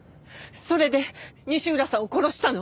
それで西浦さんを殺したの？